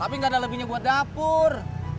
tapi nggak ada lebihnya buat dapur